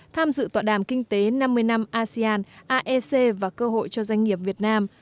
tham dự tọa đàm kinh tế năm mươi năm asean aec và cơ hội cho doanh nghiệp việt nam